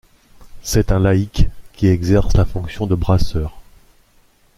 C'est un laïc qui exerce la fonction de brasseur.